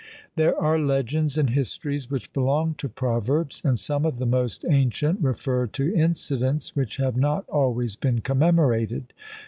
There are legends and histories which belong to proverbs; and some of the most ancient refer to incidents which have not always been commemorated.